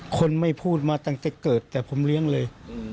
คนไม่พูดมาตั้งแต่เกิดแต่ผมเลี้ยงเลย